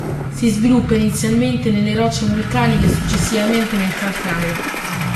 Si sviluppa inizialmente nelle rocce vulcaniche e successivamente nel calcare.